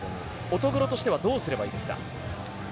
乙黒としてはどうすればいいですか？